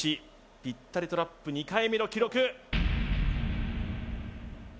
ぴったりトラップ２回目の記録